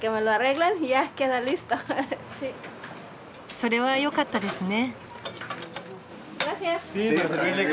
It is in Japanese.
それはよかったですね。